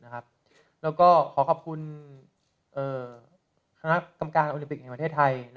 แล้วก็ขอขอบคุณคณะกรรมการโอลิมปิกในประเทศไทย